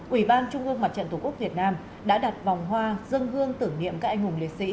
ủy ban trung ương mặt trận tổ quốc việt nam đã đặt vòng hoa dân hương tưởng niệm các anh hùng liệt sĩ